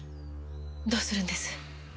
どうするんです？